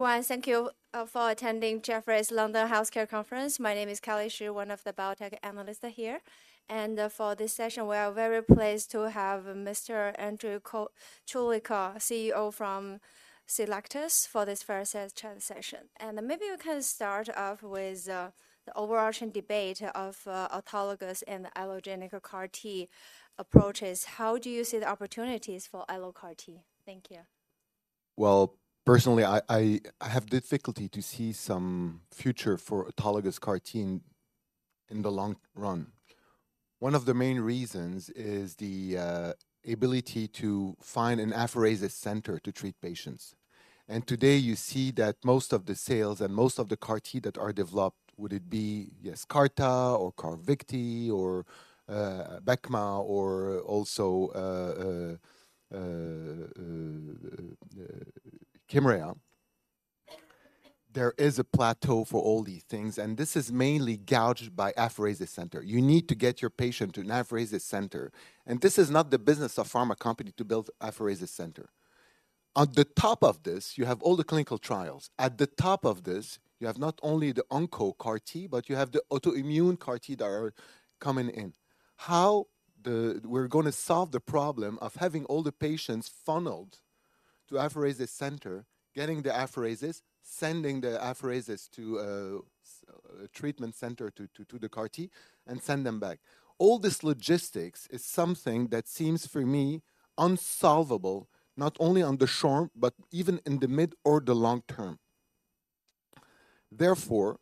Well, thank you, for attending Jefferies London Healthcare Conference. My name is Kelly Shi, one of the biotech analysts here. For this session, we are very pleased to have Mr. André Choulika, CEO from Cellectis, for this first session. Maybe we can start off with, the overarching debate of, autologous and allogeneic CAR T approaches. How do you see the opportunities for allo CAR T? Thank you. Well, personally, I have difficulty to see some future for autologous CAR T in the long run. One of the main reasons is the ability to find an apheresis center to treat patients. And today, you see that most of the sales and most of the CAR T that are developed, would it be Yescarta or Carvykti or Abecma, or also Kymriah. There is a plateau for all these things, and this is mainly gauged by apheresis center. You need to get your patient to an apheresis center, and this is not the business of pharma company to build apheresis center. At the top of this, you have all the clinical trials. At the top of this, you have not only the onco CAR T, but you have the autoimmune CAR T that are coming in. How we're gonna solve the problem of having all the patients funneled to apheresis center, getting the apheresis, sending the apheresis to a treatment center to the CAR T and send them back? All this logistics is something that seems, for me, unsolvable, not only on the short, but even in the mid or the long term. Therefore,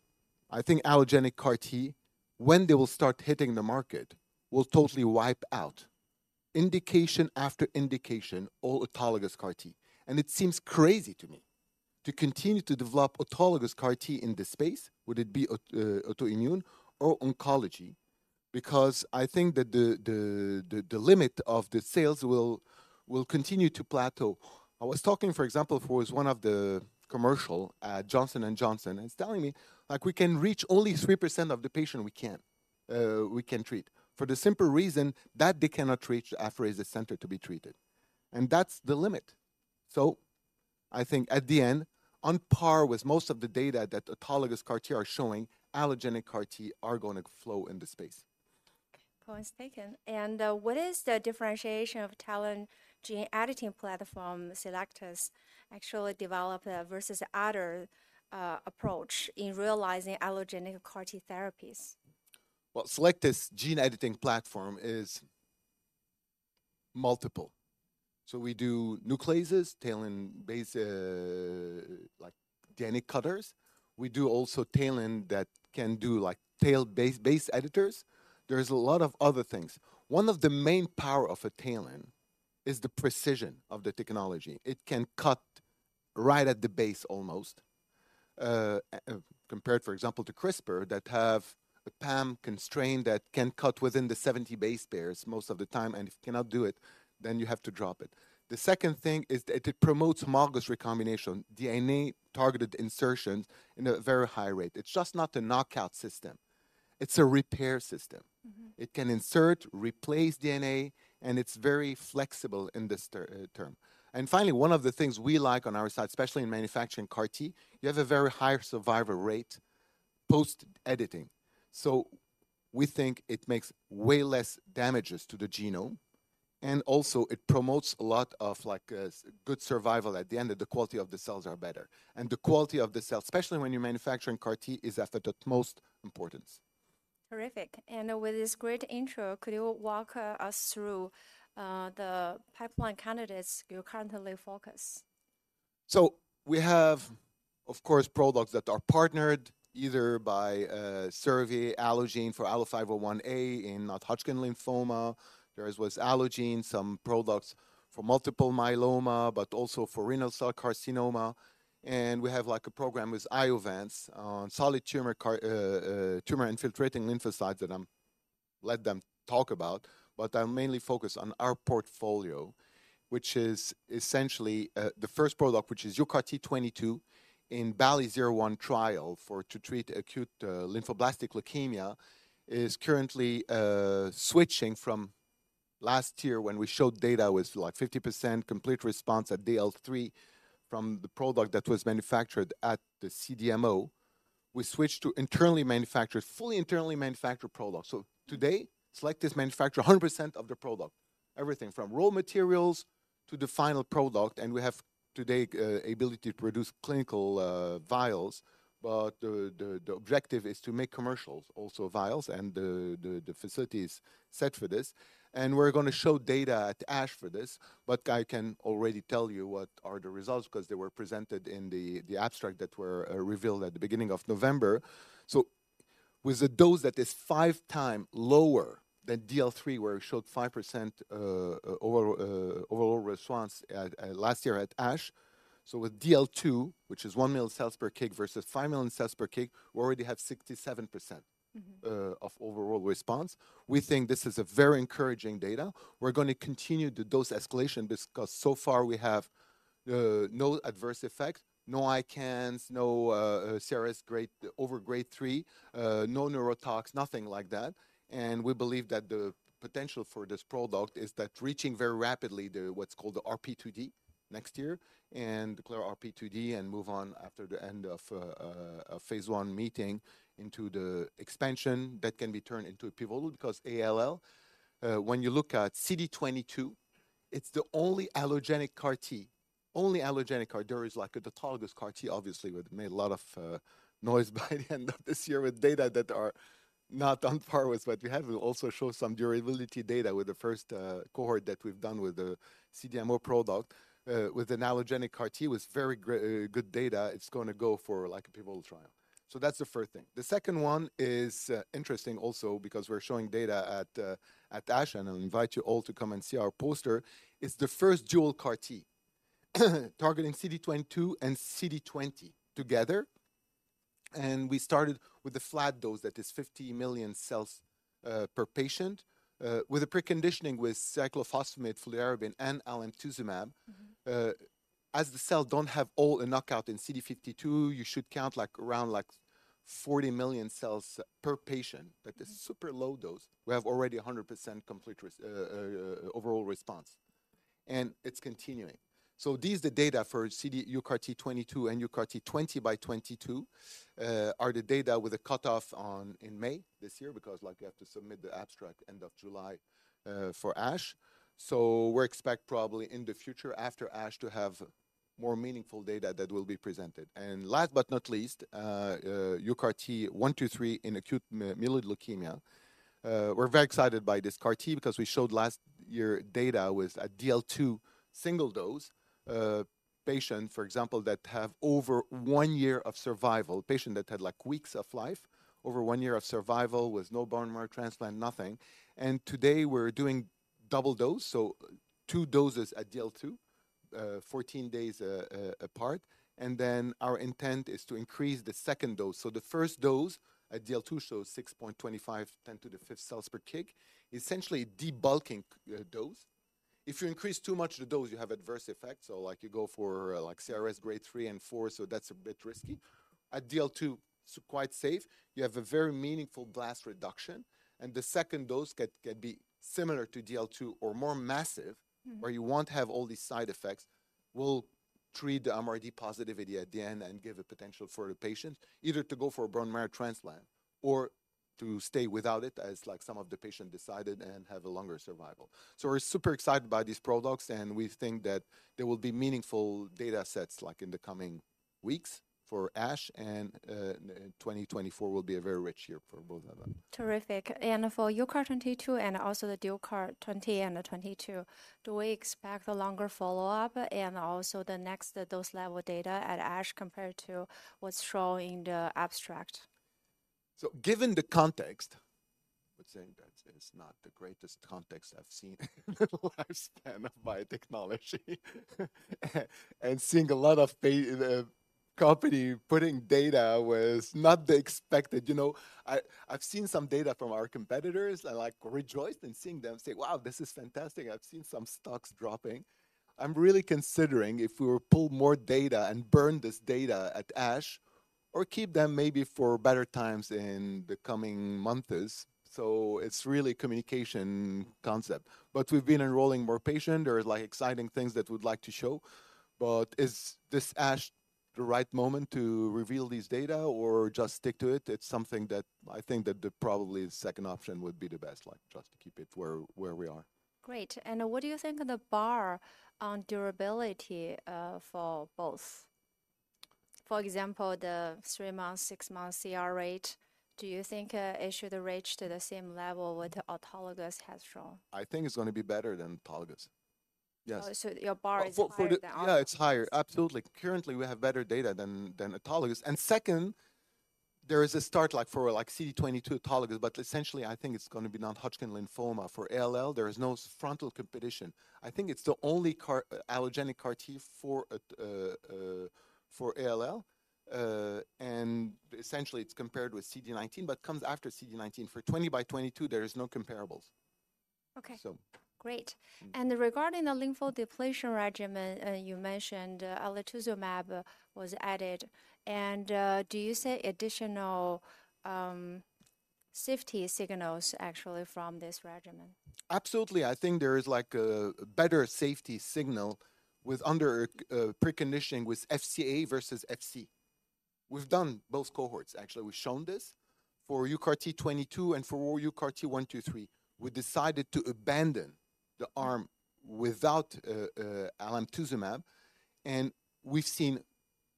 I think allogeneic CAR T, when they will start hitting the market, will totally wipe out indication after indication, all autologous CAR T. And it seems crazy to me to continue to develop autologous CAR T in this space, would it be autoimmune or oncology, because I think that the limit of the sales will continue to plateau. I was talking, for example, with one of the commercial at Johnson & Johnson, and he's telling me, "Like, we can reach only 3% of the patient we can, we can treat," for the simple reason that they cannot reach apheresis center to be treated. And that's the limit. So I think at the end, on par with most of the data that autologous CAR T are showing, allogeneic CAR T are gonna flow in the space. Point taken. And, what is the differentiation of TALEN gene editing platform Cellectis actually develop, versus other, approach in realizing allogeneic CAR T therapies? Well, Cellectis gene editing platform is multiple. So we do nucleases, TALEN-based, like DNA cutters. We do also TALEN that can do like TALE-based, base editors. There's a lot of other things. One of the main power of a TALEN is the precision of the technology. It can cut right at the base almost, compared, for example, to CRISPR, that have a PAM constraint that can cut within the 70 base pairs most of the time, and if cannot do it, then you have to drop it. The second thing is that it promotes homologous recombination, DNA-targeted insertions in a very high rate. It's just not a knockout system. It's a repair system. Mm-hmm. It can insert, replace DNA, and it's very flexible in this term. And finally, one of the things we like on our side, especially in manufacturing CAR T, you have a very higher survival rate post-editing. So we think it makes way less damages to the genome, and also it promotes a lot of, like, good survival at the end, and the quality of the cells are better. And the quality of the cells, especially when you're manufacturing CAR T, is at the utmost importance. Terrific. And with this great intro, could you walk us through the pipeline candidates you currently focus? So we have, of course, products that are partnered either by Servier, Allogene for ALLO-501A in non-Hodgkin lymphoma. There is with Allogene, some products for multiple myeloma, but also for renal cell carcinoma. And we have, like, a program with Iovance on solid tumor CAR tumor-infiltrating lymphocytes that I'm let them talk about, but I'll mainly focus on our portfolio, which is essentially, the first product, which is UCART22, in BALLI-01 trial for to treat acute lymphoblastic leukemia, is currently switching from last year, when we showed data was like 50% complete response at DL3 from the product that was manufactured at the CDMO. We switched to internally manufactured fully internally manufactured product. So today, Cellectis manufacture 100% of the product, everything from raw materials to the final product, and we have today ability to produce clinical vials. But the objective is to make commercials, also vials, and the facility is set for this. And we're gonna show data at ASH for this, but I can already tell you what are the results because they were presented in the abstract that were revealed at the beginning of November. So with a dose that is five times lower than DL3, where we showed 5% overall response at last year at ASH. So with DL2, which is 1 million cells per kg versus 5 million cells per kg, we already have 67%- Mm-hmm. of overall response. We think this is a very encouraging data. We're gonna continue the dose escalation because so far we have no adverse effects, no ICANS, no CRS grade over Grade 3, no neurotox, nothing like that. And we believe that the potential for this product is that reaching very rapidly the what's called the RP2D next year, and declare RP2D and move on after the end of a phase 1 meeting into the expansion that can be turned into a pivotal because ALL, when you look at CD22, it's the only allogeneic CAR T, only allogeneic CAR T. There is like an autologous CAR T, obviously, which made a lot of noise by the end of this year with data that are not on par with what we have. We'll also show some durability data with the first cohort that we've done with the CDMO product, with an allogeneic CAR T, with very good data. It's gonna go for, like, a pivotal trial. So that's the first thing. The second one is interesting also because we're showing data at ASH, and I invite you all to come and see our poster. It's the first dual CAR T, targeting CD22 and CD20 together, and we started with a flat dose that is 50 million cells per patient, with a preconditioning with cyclophosphamide, fludarabine, and alemtuzumab. Mm-hmm. As the cells don't have allogeneic knockout in CD52, you should count, like, around, like, 40 million cells per patient. Mm-hmm. That is super low dose. We have already 100% complete response overall response, and it's continuing. So these, the data for UCART22 and UCART20x22, are the data with a cutoff in May this year because, like, you have to submit the abstract end of July for ASH. So we're expect probably in the future after ASH to have more meaningful data that will be presented. And last but not least, UCART123 in acute myeloid leukemia. We're very excited by this CAR T because we showed last year data with a DL2 single-dose patient, for example, that have over one year of survival. Patient that had, like, weeks of life, over one year of survival with no bone marrow transplant, nothing. Today we're doing double dose, so two doses at DL2, 14 days apart, and then our intent is to increase the second dose. So the first dose at DL2 shows 6.25 × 10^5 cells/kg, essentially debulking dose. If you increase too much the dose, you have adverse effects. So, like, you go for, like CRS Grade 3 and 4, so that's a bit risky. At DL2, it's quite safe. You have a very meaningful blast reduction, and the second dose can be similar to DL2 or more massive- Mm-hmm... where you won't have all these side effects. We'll treat the MRD positivity at the end and give a potential for the patient either to go for a bone marrow transplant or to stay without it, as like some of the patient decided, and have a longer survival. So we're super excited by these products, and we think that there will be meaningful data sets, like, in the coming weeks for ASH, and 2024 will be a very rich year for both of them. Terrific. And for UCART22 and also the dual CAR 20x22, do we expect a longer follow-up and also the next dose-level data at ASH compared to what's shown in the abstract? So given the context, I would say that is not the greatest context I've seen in the lifespan of biotechnology. And seeing a lot of companies putting data was not the expected. You know, I, I've seen some data from our competitors and, like, rejoiced in seeing them say, "Wow, this is fantastic!" I've seen some stocks dropping. I'm really considering if we will pull more data and burn this data at ASH or keep them maybe for better times in the coming months. So it's really communication concept, but we've been enrolling more patient. There are, like, exciting things that we'd like to show, but is this ASH the right moment to reveal these data or just stick to it? It's something that I think that the probably the second option would be the best, like, just to keep it where we are. Great. And what do you think of the bar on durability, for both? For example, the 3-month, 6-month CR rate, do you think, it should reach to the same level with the autologous has shown? I think it's gonna be better than autologous. Yes. Oh, so your bar is higher than- Yeah, it's higher. Absolutely. Currently, we have better data than autologous. And second, there is a start, like, for CD22 autologous, but essentially, I think it's gonna be non-Hodgkin lymphoma. For ALL, there is no frontal competition. I think it's the only CAR allogeneic CAR-T for ALL, and essentially it's compared with CD19, but comes after CD19. For 20 by 22, there is no comparables. Okay. So... Great. Mm-hmm. Regarding the lymphodepletion regimen, you mentioned alemtuzumab was added, and do you see additional safety signals actually from this regimen? Absolutely. I think there is, like, a better safety signal with preconditioning with FCA versus FC. We've done both cohorts, actually. We've shown this for UCART22 and for UCART123. We decided to abandon the arm without alemtuzumab, and we've seen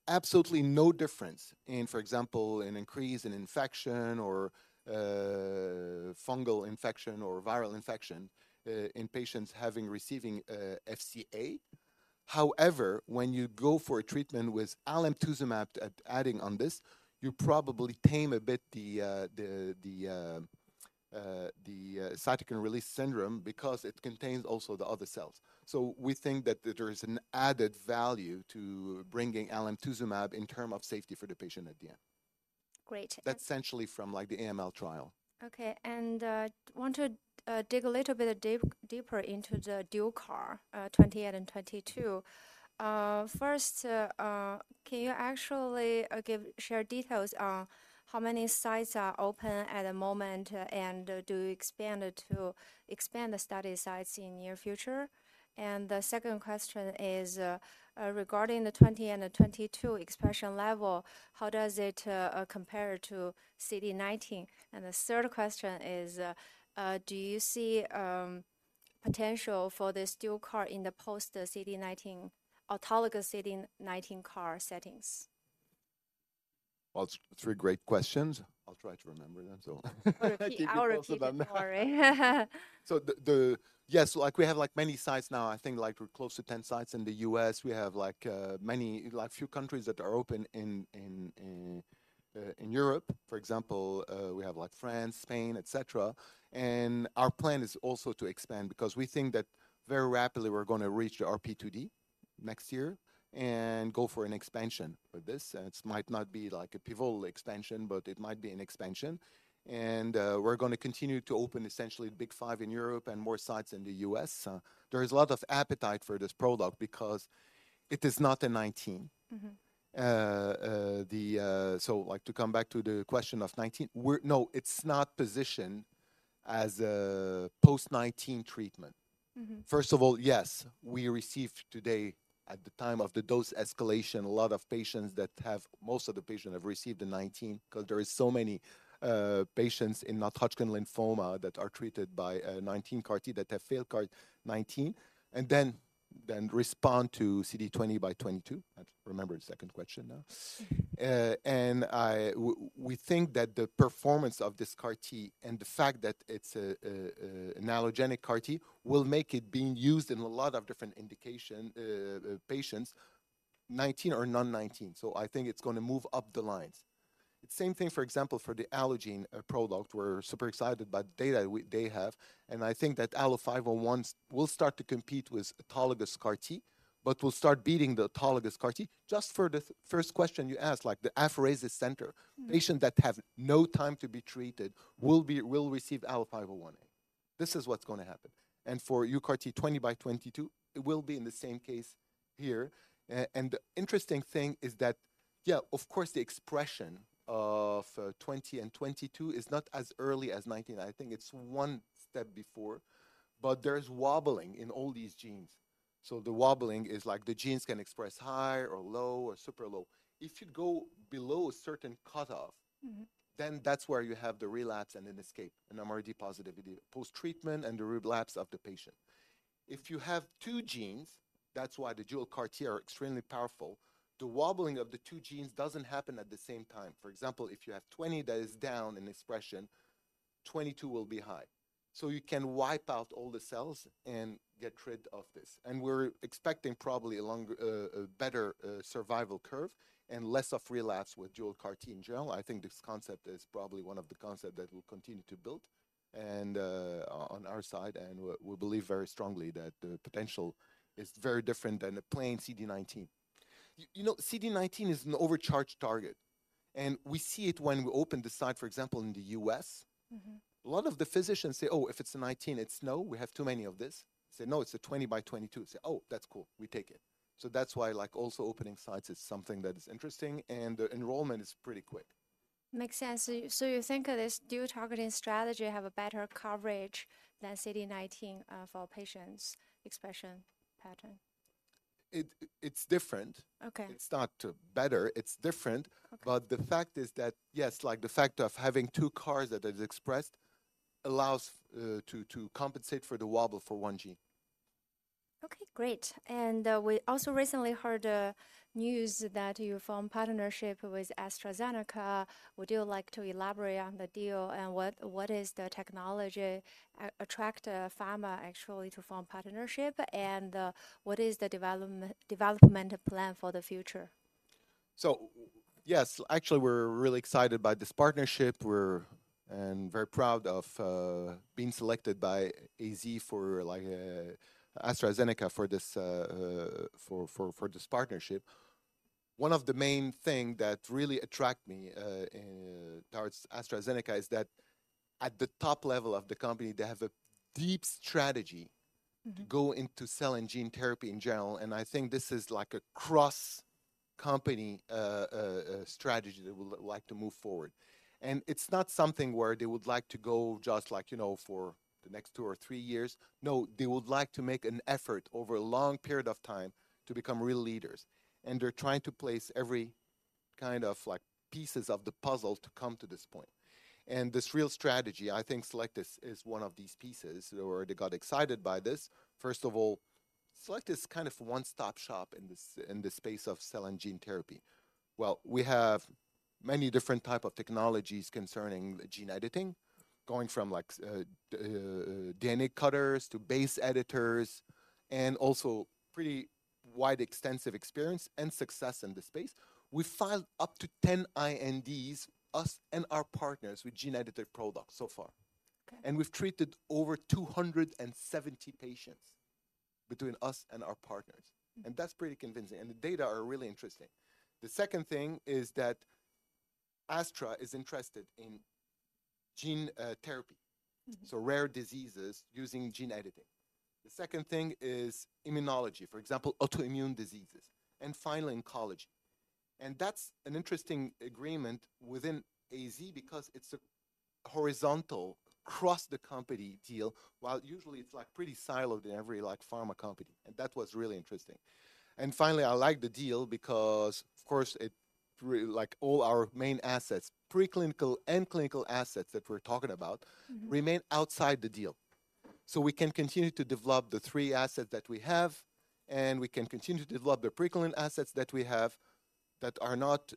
absolutely no difference in, for example, an increase in infection or fungal infection or viral infection in patients receiving FCA. However, when you go for a treatment with alemtuzumab, adding on this, you probably tame a bit the cytokine release syndrome because it contains also the other cells. So we think that there is an added value to bringing alemtuzumab in terms of safety for the patient at the end.... Great. That's essentially from, like, the AML trial. Okay, and I want to dig a little bit deeper into the dual CAR 20x22. First, can you actually share details on how many sites are open at the moment, and do you plan to expand the study sites in the near future? And the second question is, regarding the 20 and the 22 expression level, how does it compare to CD19? And the third question is, do you see potential for this dual CAR in the post-CD19 autologous CD19 CAR settings? Well, it's three great questions. I'll try to remember them, so - I'll repeat. I'll repeat, don't worry. Yes, like, we have, like, many sites now. I think, like, we're close to 10 sites in the U.S. We have, like, many—like, few countries that are open in Europe. For example, we have, like, France, Spain, et cetera. And our plan is also to expand because we think that very rapidly, we're gonna reach the RP2D next year and go for an expansion with this. And it might not be like a pivotal expansion, but it might be an expansion. And, we're gonna continue to open essentially the big five in Europe and more sites in the U.S. There is a lot of appetite for this product because it is not a 19. Mm-hmm. So, like, to come back to the question of CD19, we're, no, it's not positioned as a post-CD19 treatment. Mm-hmm. First of all, yes, we received today, at the time of the dose escalation, a lot of patients that have most of the patients have received the CD19 because there is so many patients in non-Hodgkin lymphoma that are treated by CD19 CAR-T, that have failed CAR-T CD19, and then respond to CD20x22. I remember the second question now. And we think that the performance of this CAR-T and the fact that it's a allogeneic CAR-T will make it being used in a lot of different indication, patients, 19 or non-19. So I think it's gonna move up the lines. The same thing, for example, for the Allogene product, we're super excited about the data they have, and I think that ALLO-501 will start to compete with autologous CAR T, but will start beating the autologous CAR T. Just for the first question you asked, like the apheresis center- Mm-hmm. Patient that have no time to be treated will be will receive ALLO-501A. This is what's gonna happen. And for UCART20x22, it will be in the same case here. And the interesting thing is that, yeah, of course, the expression of 20 and 22 is not as early as 19. I think it's one step before, but there's wobbling in all these genes. So the wobbling is like the genes can express high or low or super low. If you go below a certain cutoff- Mm-hmm. Then that's where you have the relapse and an escape, an MRD positivity post-treatment and the relapse of the patient. If you have two genes, that's why the dual CAR T are extremely powerful, the wobbling of the two genes doesn't happen at the same time. For example, if you have 20 that is down in expression, 22 will be high. So you can wipe out all the cells and get rid of this. And we're expecting probably a longer, better, survival curve and less of relapse with dual CAR T in general. I think this concept is probably one of the concept that we'll continue to build and, on our side, and we believe very strongly that the potential is very different than a plain CD19. you know, CD19 is an overcharged target, and we see it when we open the site, for example, in the U.S. Mm-hmm. A lot of the physicians say, "Oh, if it's a 19, it's no, we have too many of this." I say, "No, it's a 20 by 22." They say, "Oh, that's cool. We take it." So that's why, like, also opening sites is something that is interesting, and the enrollment is pretty quick. Makes sense. So, so you think this dual targeting strategy have a better coverage than CD19 for patients' expression pattern? It's different. Okay. It's not better, it's different. Okay. But the fact is that, yes, like the fact of having two CARs that is expressed allows to compensate for the wobble for one gene. Okay, great. We also recently heard news that you formed partnership with AstraZeneca. Would you like to elaborate on the deal, and what is the technology attract pharma actually to form partnership? What is the development plan for the future? So yes, actually, we're really excited by this partnership. We're very proud of being selected by AZ for, like, AstraZeneca for this partnership. One of the main thing that really attract me towards AstraZeneca is that at the top level of the company, they have a deep strategy- Mm-hmm... to go into cell and gene therapy in general, and I think this is like a cross-company strategy that would like to move forward. And it's not something where they would like to go, just like, you know, for the next two or three years. No, they would like to make an effort over a long period of time to become real leaders, and they're trying to place every kind of like pieces of the puzzle to come to this point. And this real strategy, I think Cellectis is one of these pieces. They already got excited by this. First of all, Cellectis is kind of a one-stop shop in this space of cell and gene therapy. Well, we have many different type of technologies concerning gene editing, going from like, DNA cutters to base editors, and also pretty wide extensive experience and success in this space. We filed up to 10 INDs, us and our partners, with gene-edited products so far. Okay. We've treated over 270 patients between us and our partners, and that's pretty convincing, and the data are really interesting. The second thing is that Astra is interested in gene therapy, so rare diseases using gene editing. The second thing is immunology, for example, autoimmune diseases, and finally, oncology. That's an interesting agreement within AZ because it's a horizontal, across-the-company deal, while usually it's, like, pretty siloed in every, like, pharma company, and that was really interesting. Finally, I like the deal because, of course, it like all our main assets, preclinical and clinical assets that we're talking about- Mm-hmm. remain outside the deal. So we can continue to develop the three assets that we have, and we can continue to develop the preclinical assets that we have that are not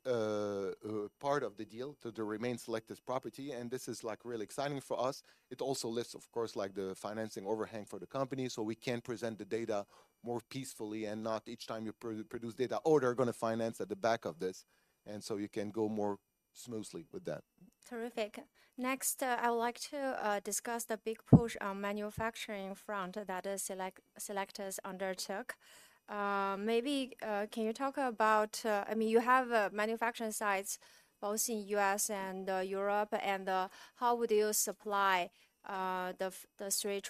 part of the deal to remain Cellectis' property, and this is, like, really exciting for us. It also lifts, of course, like, the financing overhang for the company, so we can present the data more peacefully and not each time you produce data, "Oh, they're gonna finance at the back of this," and so you can go more smoothly with that. Terrific. Next, I would like to discuss the big push on manufacturing front that is Cellectis, Cellectis has undertook. Maybe, can you talk about... I mean, you have manufacturing sites both in U.S. and Europe, and how would you supply the three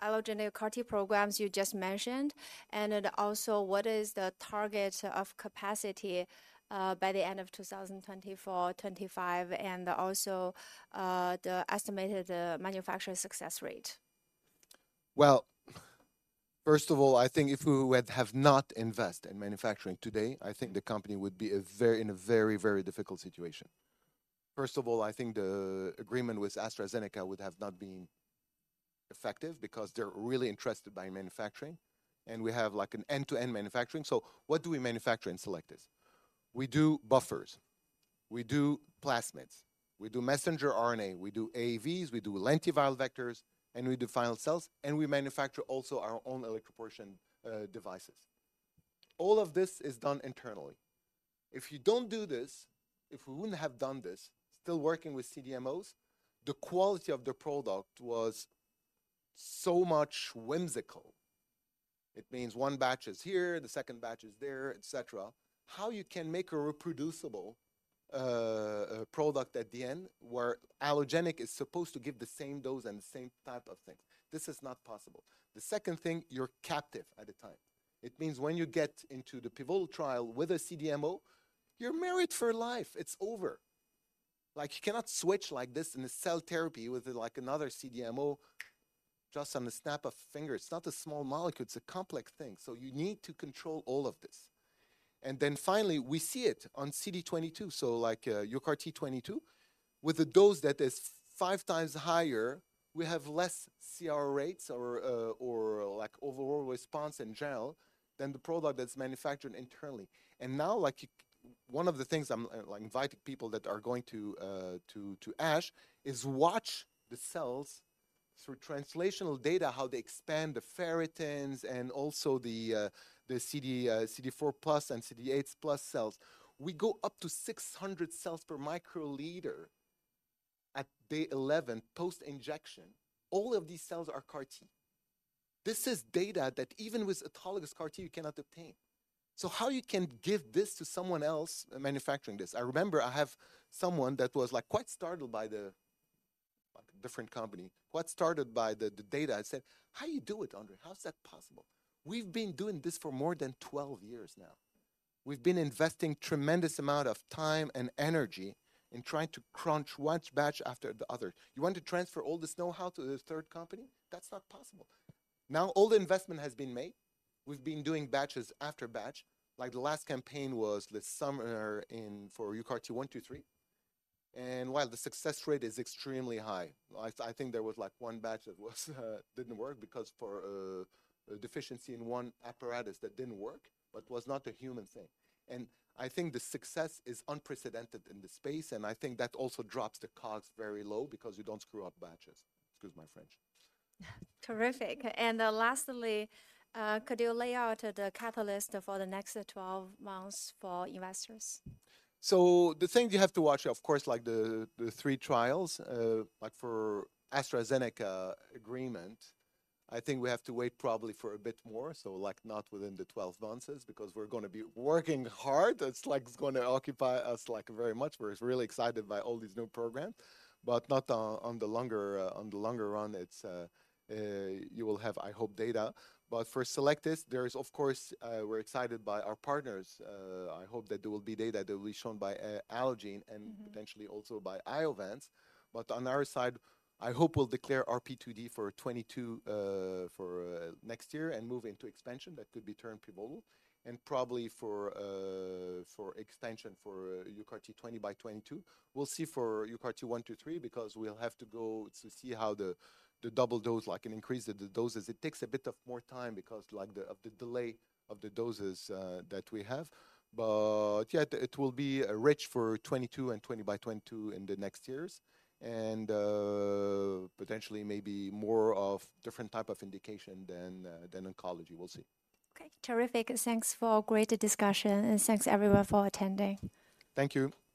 allogeneic CAR-T programs you just mentioned? And then also, what is the target of capacity by the end of 2024, 2025, and also the estimated manufacturing success rate? Well, first of all, I think if we would have not invest in manufacturing today, I think the company would be a very, in a very, very difficult situation. First of all, I think the agreement with AstraZeneca would have not been effective because they're really interested by manufacturing, and we have, like, an end-to-end manufacturing. So what do we manufacture in Cellectis? We do buffers, we do plasmids, we do messenger RNA, we do AAVs, we do lentiviral vectors, and we do final cells, and we manufacture also our own electroporation devices. All of this is done internally. If you don't do this, if we wouldn't have done this, still working with CDMOs, the quality of the product was so much whimsical. It means one batch is here, the second batch is there, et cetera. How can you make a reproducible product at the end, where allogeneic is supposed to give the same dose and the same type of things? This is not possible. The second thing, you're captive at the time. It means when you get into the pivotal trial with a CDMO, you're married for life. It's over. Like, you cannot switch like this in a cell therapy with, like, another CDMO just on the snap of finger. It's not a small molecule, it's a complex thing, so you need to control all of this. And then finally, we see it on CD22, so like, UCART22, with a dose that is five times higher, we have less CR rates or, or, like, overall response in general than the product that's manufactured internally. Now, like, one of the things I'm inviting people that are going to ASH is watch the cells through translational data, how they expand the ferritins and also the CD4+ and CD8+ cells. We go up to 600 cells per microliter at day 11, post-injection. All of these cells are CAR-T. This is data that even with autologous CAR-T, you cannot obtain. So how you can give this to someone else manufacturing this? I remember I have someone that was, like, quite startled by the... a different company, quite startled by the data and said, "How you do it, André? How is that possible?" We've been doing this for more than 12 years now. We've been investing tremendous amount of time and energy in trying to crunch one batch after the other. You want to transfer all this know-how to the third company? That's not possible. Now, all the investment has been made. We've been doing batches after batch, like the last campaign was this summer in for UCART123, and while the success rate is extremely high, I think there was, like, one batch that didn't work because for a deficiency in one apparatus that didn't work, but was not a human thing. And I think the success is unprecedented in this space, and I think that also drops the cost very low because you don't screw up batches. Excuse my French. Terrific. And, lastly, could you lay out the catalyst for the next twelve months for investors? So the thing you have to watch, of course, like the three trials, like for AstraZeneca agreement, I think we have to wait probably for a bit more, so like, not within the 12 months, because we're gonna be working hard. It's like it's gonna occupy us, like, very much. We're really excited by all these new programs, but not on the longer run. It's you will have, I hope, data. But for Cellectis, there is... Of course, we're excited by our partners. I hope that there will be data that will be shown by Allogene- Mm-hmm... and potentially also by Iovance. But on our side, I hope we'll declare RP2D for UCART22 next year and move into expansion. That could turn pivotal, and probably for extension for UCART20x22 by 2022. We'll see for UCART123 because we'll have to go to see how the double dose, like an increase in the doses. It takes a bit more time because, like, the delay of the doses that we have. But yet it will be rich for UCART22 and UCART20x22 in the next years, and potentially maybe more of different type of indication than oncology. We'll see. Okay. Terrific. Thanks for great discussion, and thanks, everyone, for attending. Thank you.